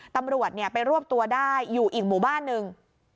ตำรวจไปรวบตัวได้อยู่อีกหมู่บ้านหนึ่ง